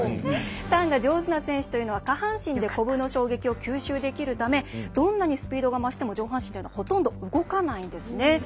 ターンが上手な選手というのは下半身でコブの衝撃を吸収できるためどんなにスピードが増しても上半身はほとんど動かないんです。